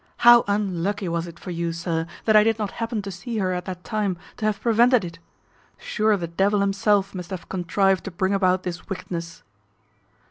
How unlucky was it for you, sir, that I did not happen to see her at that time, to have prevented it! Sure the devil himself must have contrived to bring about this wickedness."